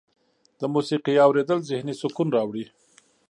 د موسیقۍ اوریدل ذهني سکون راوړي.